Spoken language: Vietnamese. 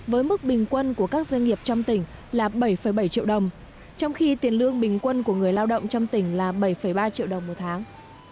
với mức bình quân của các doanh nghiệp trong tỉnh là bảy bảy triệu đồng trong khi tiền lương bình quân của người lao động trong tỉnh là bảy ba triệu đồng một tháng